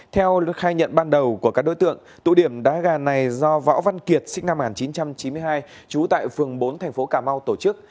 theo khai nhận ban đầu của các đối tượng tụ điểm đá gà này do võ văn kiệt sinh năm một nghìn chín trăm chín mươi hai trú tại phường bốn thành phố cà mau tổ chức